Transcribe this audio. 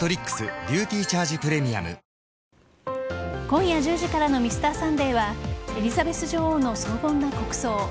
今夜１０時からの「Ｍｒ．サンデー」はエリザベス女王の荘厳な国葬。